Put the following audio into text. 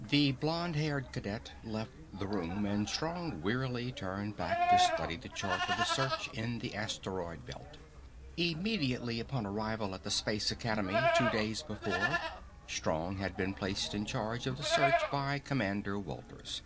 The blond haired cadet left the room, and Strong wearily turned back to study the chart of the search in the asteroid belt. Immediately upon arrival at Space Academy, two days before, Strong had been placed in charge of the search by Commander Walters.